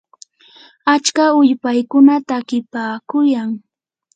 achka ulpaykuna takipaakuyan.